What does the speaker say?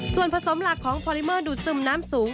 ส่วนผสมหลักของพอลิเมอร์ดูดซึมน้ำสูง